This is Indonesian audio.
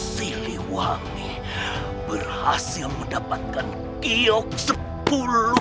siliwangi berhasil mendapatkan kiok sepuluh